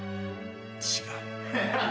違う？